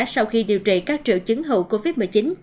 sau khi điều trị các triệu chứng hậu covid một mươi chín